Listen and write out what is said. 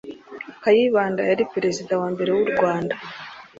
Kayibanda yari perezida wa mbere w’ u Rwanda